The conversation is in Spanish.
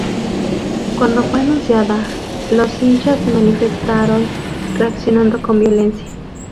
Cuando fue anunciada, los hinchas se manifestaron reaccionando con violencia.